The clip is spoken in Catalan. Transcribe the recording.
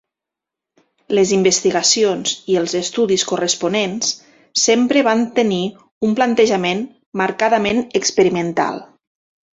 Les investigacions i els estudis corresponents sempre van tenir un plantejament marcadament experimental.